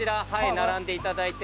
並んでいただいて。